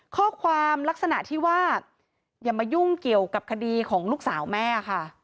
ข้อความลักษณะที่ว่าอย่ามายุ่งเกี่ยวกับคดีของลูกสาวแม่ค่ะ